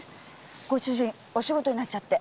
ご主人お仕事になっちゃって。